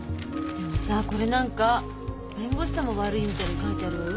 でもさこれなんか弁護士さんも悪いみたいに書いてあるわよ